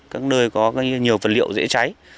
các nơi có nhiều vật liệu dễ cháy